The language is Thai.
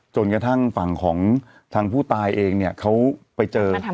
จนกระทั่งฝั่งของทางผู้ตายเองเนี่ยเขาไปเจอ